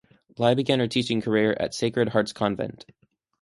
Lai began her teaching career at Sacred Hearts Convent.